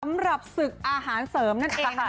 สำหรับศึกอาหารเสริมนั่นเองค่ะ